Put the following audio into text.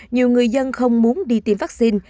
nhiều người dân không muốn đi tiêm vaccine